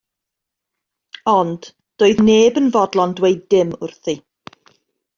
Ond doedd neb yn fodlon dweud dim wrthi.